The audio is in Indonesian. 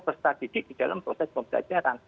peserta didik di dalam proses pembelajaran